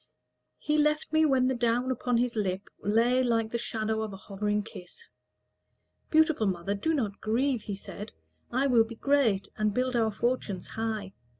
He left me when the down upon his lip Lay like the shadow of a hovering kiss. "Beautiful mother, do not grieve," he said; "I will be great, and build our fortunes high.